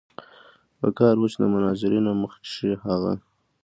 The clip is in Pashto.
پکار وه چې د مناظرې نه مخکښې هغه